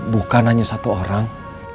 bukan hanya satu orang